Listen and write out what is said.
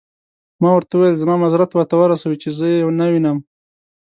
ما ورته وویل: زما معذرت ورته ورسوئ، چې زه يې نه وینم.